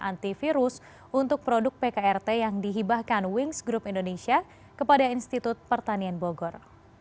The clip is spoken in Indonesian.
antivirus untuk produk pkrt yang dihibahkan wings group indonesia kepada institut pertanian bogor